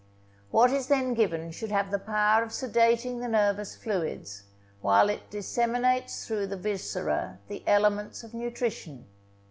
What is then given should have the power of sedating the nervous fluids, while it disseminates through the viscera the elements of nutrition.